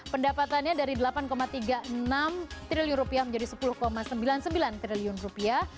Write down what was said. pendapatannya dari delapan tiga puluh enam triliun rupiah menjadi sepuluh sembilan puluh sembilan triliun rupiah